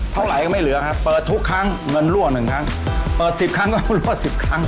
เท่าไหร่ก็ไม่เหลือครับเปิดทุกครั้งเงินรั่วหนึ่งครั้งเปิดสิบครั้งก็รั่วสิบครั้ง